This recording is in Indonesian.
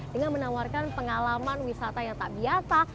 dengan menawarkan pengalaman wisata yang tak biasa